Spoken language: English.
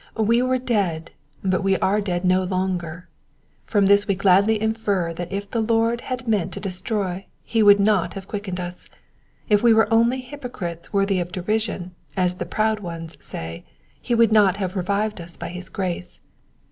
We were dead, but we are dead no longer. Prom this we gladly infer that if the Lord had meant to destroy he would not have quickened us. If we were only hypocrites worthy of derision, as the proud ones say, he would not have revived us by his grace.